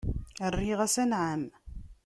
Rriɣ-as: Anɛam.